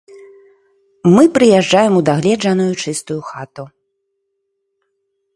Мы прыязджаем у дагледжаную чыстую хату.